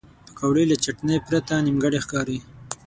پکورې له چټنې پرته نیمګړې ښکاري